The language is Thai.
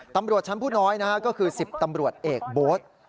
ตำรวจชั้นผู้น้อยก็คือ๑๐ตำรวจเอกโบ๊ท